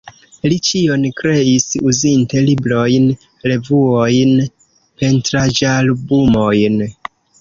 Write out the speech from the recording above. Li ĉion kreis, uzinte librojn, revuojn, pentraĵalbumojn.